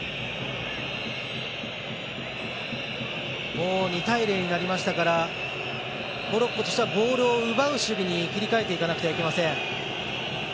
もう２対０になりましたからモロッコとしてはボールを奪う守備に切り替えていかなくてはなりません。